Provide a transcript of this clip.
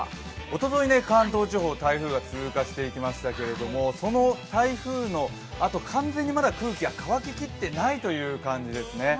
おととい、関東地方を台風が通過していきましたけれども、その台風のあと、完全にまだ空気が乾ききってない感じですね。